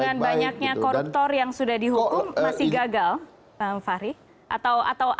dengan banyaknya koruptor yang sudah dihukum masih gagal pak amfari